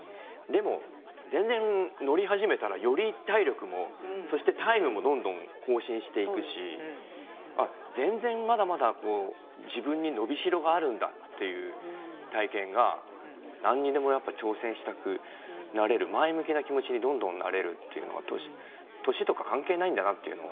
でも全然乗り始めたらより体力もそしてタイムもどんどん更新していくし。っていう体験が何にでもやっぱ挑戦したくなれる前向きな気持ちにどんどんなれるっていうのは年とか関係ないんだなっていうの。